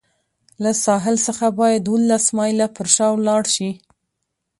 له ساحل څخه باید اوولس مایله پر شا لاړ شي.